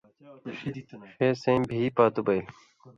ݜے سَیں بھی پاتُو بَیل۔